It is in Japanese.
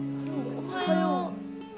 おはよう